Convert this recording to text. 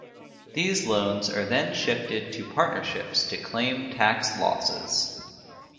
These loans are then shifted to partnerships to claim tax losses.